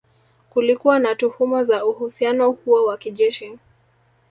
Kulikuwa na tuhuma za uhusiano huo wa kijeshi